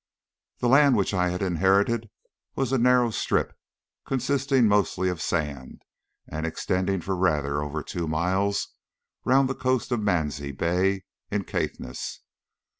The land which I had inherited was a narrow strip, consisting mostly of sand, and extending for rather over two miles round the coast of Mansie Bay, in Caithness.